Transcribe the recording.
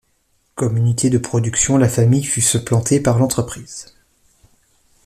Comme unité de production, la famille fut supplantée par l’entreprise.